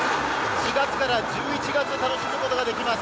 ４月から１１月、楽しむことができます。